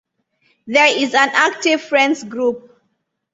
There is an active Friends Group.